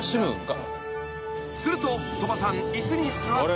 ［すると鳥羽さん椅子に座って］